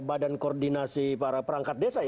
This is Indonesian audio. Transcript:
badan koordinasi para perangkat desa